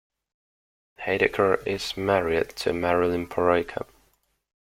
Heidecker is married to Marilyn Porayko.